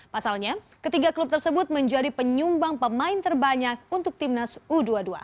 pasalnya ketiga klub tersebut menjadi penyumbang pemain terbanyak untuk timnas u dua puluh dua